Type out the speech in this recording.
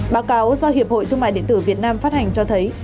báo cáo do hiệp hội thương mại điện tử việt nam phát hành cho thấy